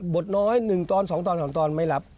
บทน้อยหนึ่งตอนสองตอนสองตอนไม่รับ